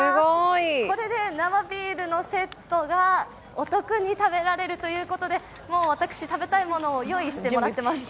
これで生ビールのセットがお得に食べられるということでもう私、食べたいものを用意してもらってます。